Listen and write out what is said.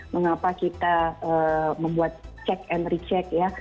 mengapa kita membuat check and recheck ya